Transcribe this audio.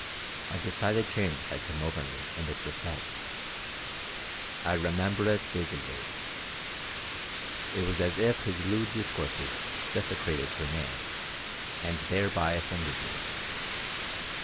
A decided change had come over me in this respect. I remember it vividly. It was as if his lewd discourses desecrated her name and thereby offended me.